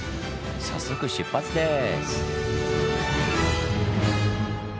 早速出発です。